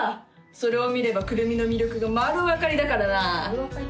それを見れば９６３の魅力が丸分かりだからな丸分かり？